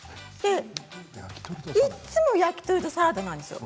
いつも焼き鳥とサラダなんですよ。